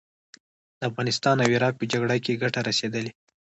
د افغانستان او عراق په جګړه کې ګټه رسېدلې.